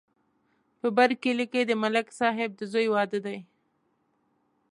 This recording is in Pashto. په بر کلي کې د ملک صاحب د زوی واده دی.